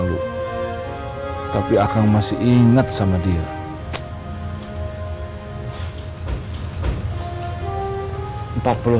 marcelang akan menjadi orang lelah